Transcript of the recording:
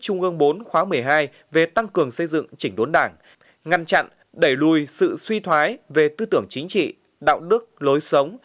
trung ương bốn khóa một mươi hai về tăng cường xây dựng chỉnh đốn đảng ngăn chặn đẩy lùi sự suy thoái về tư tưởng chính trị đạo đức lối sống